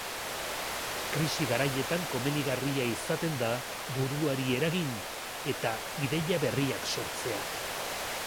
Krisi garaietan komenigarria izaten da buruari eragin eta ideia berriak sortzea.